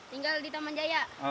tinggal di taman jaya